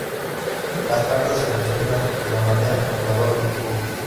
Las cartas se presentan de la manera que el jugador lo disponga.